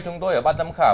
chúng tôi ở ban giám khảo